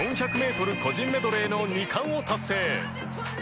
個人メドレーの２冠を達成！